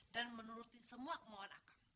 dan menuruti semua kemauan akang